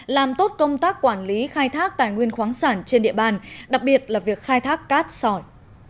làm tốt công tác quản lý khai thác tài nguyên khoáng sản trên địa bàn đặc biệt là việc khai thác cát sỏi